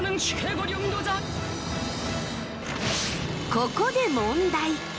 ここで問題！